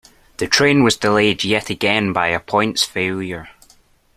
The train was delayed yet again by a points failure